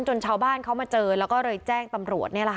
จนชาวบ้านเขามาเจอแล้วก็เลยแจ้งตำรวจนี่แหละค่ะ